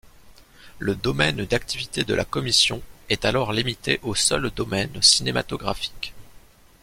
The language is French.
Le domaine d'activité de la commission est alors limité au seul domaine cinématographique.